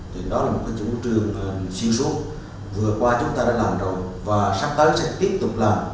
thì đó là một chủ trường xuyên suốt vừa qua chúng ta đã làm rồi và sắp tới sẽ tiếp tục làm